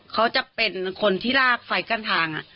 เขาจะเป็นคนที่ลากไฟกั้นทาง